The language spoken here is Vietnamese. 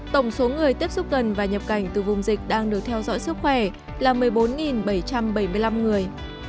tổng số người tiếp xúc gần và nhập cảnh từ vùng dịch đang được theo dõi sức khỏe là một mươi bốn bảy trăm bảy mươi năm người